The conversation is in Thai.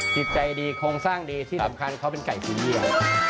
กิจไก่ดีโครงสร้างดีที่สำคัญเขาเป็นไก่เยียร์